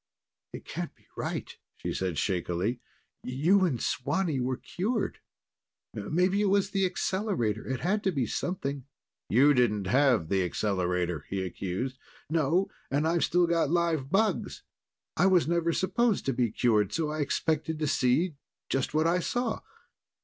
"It can't be right," she said shakily. "You and Swanee were cured. Maybe it was the accelerator. It had to be something." "You didn't have the accelerator," he accused. "No, and I've still got live bugs. I was never supposed to be cured, so I expected to see just what I saw.